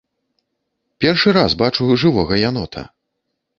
Першы раз бачу жывога янота.